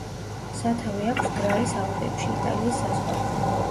სათავე აქვს გრაის ალპებში, იტალიის საზღვარზე.